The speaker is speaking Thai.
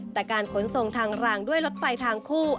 แต่การขนส่งทางรางด้วยรถไฟทางคู่